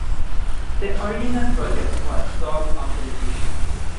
The original project was sold on television.